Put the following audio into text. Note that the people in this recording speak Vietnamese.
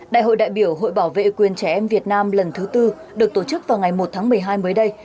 đại hội đại biểu hội bảo vệ quyền trẻ em việt nam lần thứ tư được tổ chức vào ngày một tháng một mươi hai mới đây